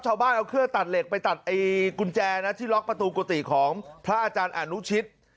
ชาวบ้านเอาเครื่องตัดเหล็กไปตัดกุญแจนะที่ล็อกประตูกุฏิของพระอาจารย์อนุชิต